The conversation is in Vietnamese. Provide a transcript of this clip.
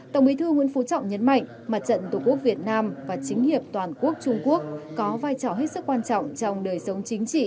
tổng bí thư nguyễn phú trọng nhấn mạnh mặt trận tổ quốc việt nam và chính hiệp toàn quốc trung quốc có vai trò hết sức quan trọng trong đời sống chính trị